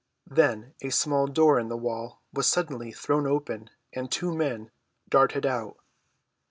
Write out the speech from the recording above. Then a small door in the wall was suddenly thrown open and two men darted out.